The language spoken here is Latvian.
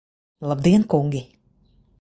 Labdien, kungi!